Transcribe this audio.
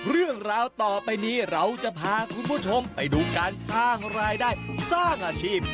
เรื่องราวต่อไปนี้เราจะพาคุณผู้ชมไปดูการสร้างรายได้สร้างอาชีพ